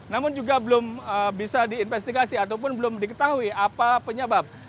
namun juga belum bisa diinvestigasi ataupun belum diketahui apa penyebab